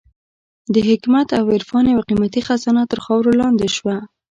د حکمت او عرفان یوه قېمتي خزانه تر خاورو لاندې شوه.